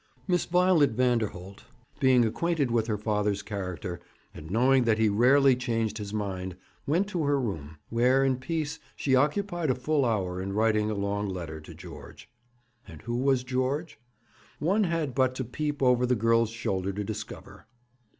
Miss Violet Vanderholt, being acquainted with her father's character, and knowing that he rarely changed his mind, went to her room, where in peace she occupied a full hour in writing a long letter to George. And who was George? One had but to peep over the girl's shoulder to discover.